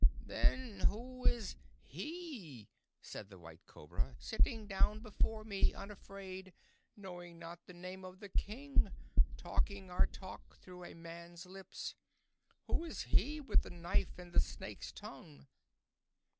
"Then who is he," said the White Cobra, "sitting down before me, unafraid, knowing not the name of the King, talking our talk through a man's lips? Who is he with the knife and the snake's tongue?"